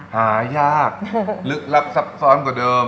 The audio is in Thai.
หายากลึกลับซับซ้อนกว่าเดิม